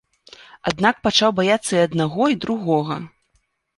Аднак пачаў баяцца і аднаго, і другога.